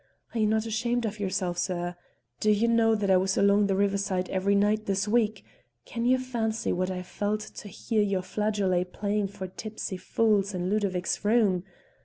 Are you not ashamed of yourself, sir? Do you know that I was along the riverside every night this week? Can you fancy what I felt to hear your flageolet playing for tipsy fools in Ludovic's room?